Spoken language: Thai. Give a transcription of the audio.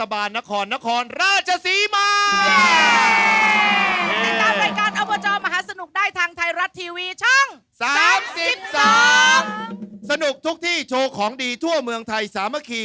เห้ยนี่เขาเป็นเนื้อกับเครื่องใน